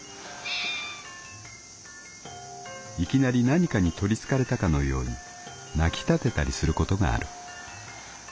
「いきなり何かにとりつかれたかのように鳴き立てたりすることがある。